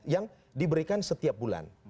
yang diberikan setiap bulan